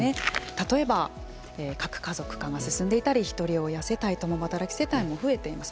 例えば核家族化が進んでいたりひとり親世帯、共働き世帯もふえています。